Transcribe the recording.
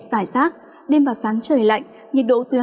sải sát đêm và sáng trời lạnh nhiệt độ từ hai mươi một hai mươi sáu độ